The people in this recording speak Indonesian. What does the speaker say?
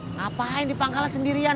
ngapain di pangkalan sendirian